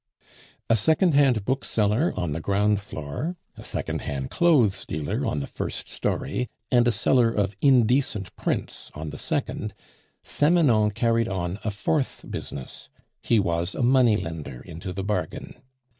A second hand bookseller on the ground floor, a second hand clothes dealer on the first story, and a seller of indecent prints on the second, Samanon carried on a fourth business he was a money lender into the bargain.